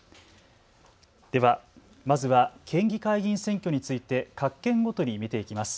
ではまずは県議会議員選挙について各県ごとに見ていきます。